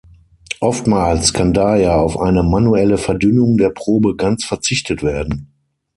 Oftmals kann daher auf eine manuelle Verdünnung der Probe ganz verzichtet werden.